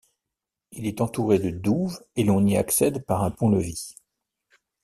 Il est entouré de douves et l'on y accède par un pont-levis.